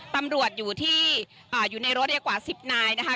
ตำรวจอยู่ที่อยู่ในรถเรียกกว่า๑๙นะคะ